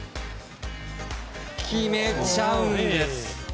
決めちゃうんです！